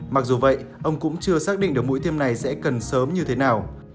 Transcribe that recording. mặc dù vậy ông cũng chưa xác định được mũi tiêm này sẽ cần sớm như thế nào